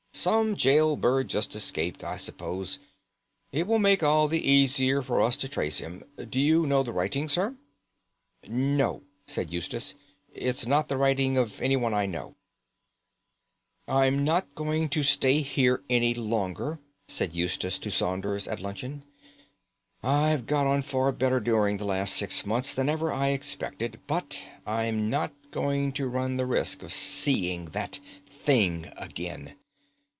Some gaol bird just escaped, I suppose. It will make it all the easier for us to trace him. Do you know the writing, sir?" "No," said Eustace; "it's not the writing of anyone I know." "I'm not going to stay here any longer," said Eustace to Saunders at luncheon. "I've got on far better during the last six months than ever I expected, but I'm not going to run the risk of seeing that thing again.